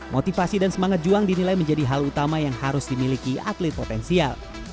motivasi dan semangat juang dinilai menjadi hal utama yang harus dimiliki atlet potensial